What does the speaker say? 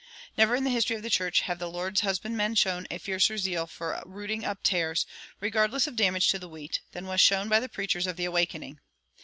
Never in the history of the church have the Lord's husbandmen shown a fiercer zeal for rooting up tares, regardless of damage to the wheat, than was shown by the preachers of the Awakening.